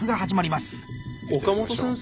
岡本先生。